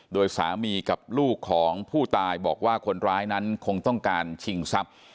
โดยสามีกับลูกของผู้ตายบอกว่าคนร้ายนั้นคงต้องการชิงทรัพย์